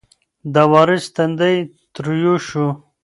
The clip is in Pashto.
د وارث تندی تریو شو.